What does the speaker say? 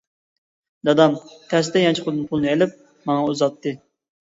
دادام تەستە يانچۇقىدىن پۇلنى ئىلىپ ماڭا ئۇزاتتى.